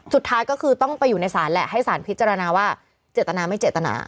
สุดท้ายก็คือต้องไปอยู่ในศาลแหละให้สารพิจารณาว่าเจตนาไม่เจตนา